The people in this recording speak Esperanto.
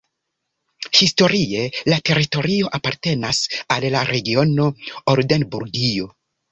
Historie la teritorio apartenas al la regiono Oldenburgio.